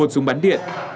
một súng bắn điện